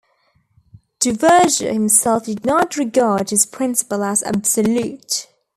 Duverger himself did not regard his principle as absolute.